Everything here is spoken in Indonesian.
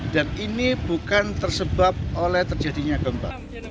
dan ini bukan tersebab oleh terjadinya gempa